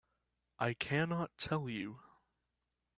I cannot tell you.